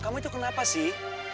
kamu itu kenapa sih